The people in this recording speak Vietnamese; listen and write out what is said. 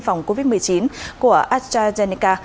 phòng covid một mươi chín của astrazeneca